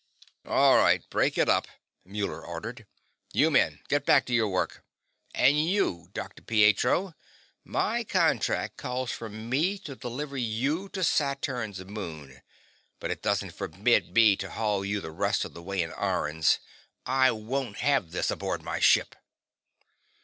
"All right, break it up!" Muller ordered. "You men get back to your work. And you, Dr. Pietro my contract calls for me to deliver you to Saturn's moon, but it doesn't forbid me to haul you the rest of the way in irons. I won't have this aboard my ship!"